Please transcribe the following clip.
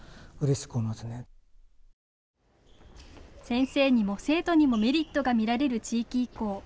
先生にも生徒にもメリットが見られる地域移行。